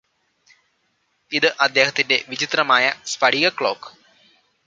ഇത് അദ്ദേഹത്തിന്റെ വിചിത്രമായ സ്ഫടിക ക്ലോക്ക്